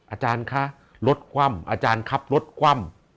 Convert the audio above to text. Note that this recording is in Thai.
อาจารย์คะรถคว่ำอาจารย์ขับรถคว่ำ